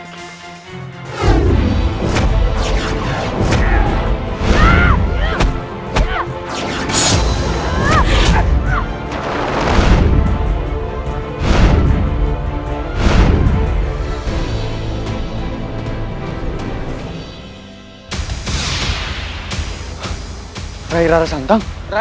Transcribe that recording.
hai rai rara santang rai